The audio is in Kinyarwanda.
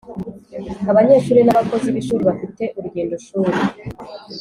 Abanyeshuri n ‘abakozi b’ ishuri bafite urugendoshuri.